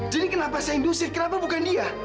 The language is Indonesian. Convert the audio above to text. jadi kenapa saya diusir kenapa bukan dia